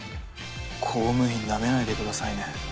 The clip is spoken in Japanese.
公務員ナメないでくださいね。